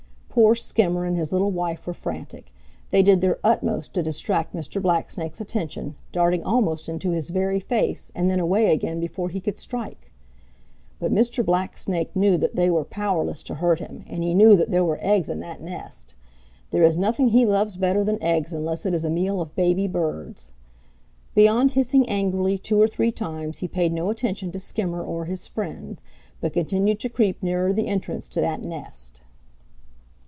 Poor Skimmer and his little wife were frantic. They did their utmost to distract Mr. Blacksnake's attention, darting almost into his very face and then away again before he could strike. But Mr. Blacksnake knew that they were powerless to hurt him, and he knew that there were eggs in that nest. There is nothing he loves better than eggs unless it is a meal of baby birds. Beyond hissing angrily two or three times he paid no attention to Skimmer or his friends, but continued to creep nearer the entrance to that nest.